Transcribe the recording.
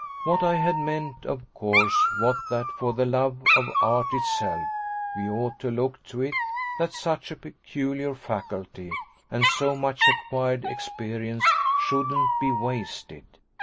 What I had meant of course was that for the love of art itself we ought to look to it that such a peculiar faculty and so much acquired experience shouldn't be wasted.